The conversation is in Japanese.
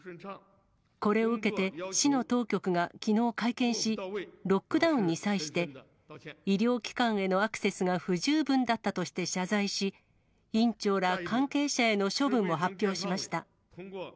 これを受けて市の当局がきのう会見し、ロックダウンに際して、医療機関へのアクセスが不十分だったとして謝罪し、院長ら関係者への処分を発表しました。